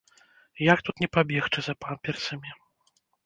Як тут не пабегчы за памперсамі!